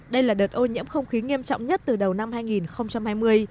đây là đợt ô nhiễm không khí nghiêm trọng nhất từ đầu năm hai nghìn hai mươi